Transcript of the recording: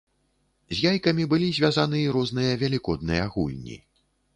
З яйкамі былі звязаны і розныя велікодныя гульні.